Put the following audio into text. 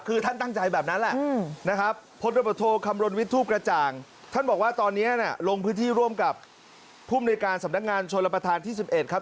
คือท่านตั้งใจแบบนั้นแหละนะครับพรควิทธุกระจ่างท่านบอกว่าตอนนี้ลงพื้นที่ร่วมกับผู้มีรการสำนักงานชนรปฐานที่๑๑ครับ